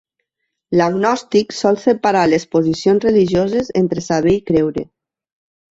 L'agnòstic sol separar les posicions religioses entre saber i creure.